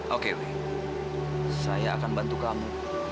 oke saya akan bantu kamu